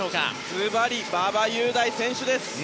ずばり馬場雄大選手です。